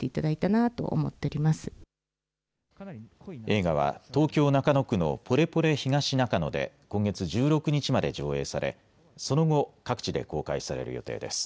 映画は東京中野区のポレポレ東中野で今月１６日まで上映されその後、各地で公開される予定です。